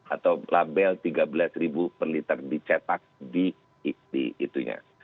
atau label tiga belas per liter dicetak di itunya